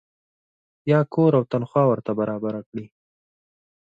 یا کور او تنخوا ورته برابره کړي.